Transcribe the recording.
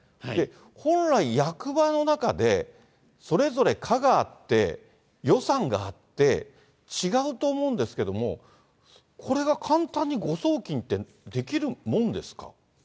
本来、役場の中で、それぞれ課があって、予算があって、違うと思うんですけども、これが簡単に誤送金って、できるもんですか？